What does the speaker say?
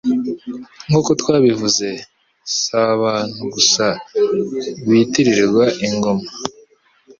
Nkuko twabivuze, si abantu gusa bitirirwa ingoma